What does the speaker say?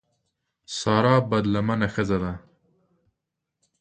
سارا بدلمنه ښځه ده.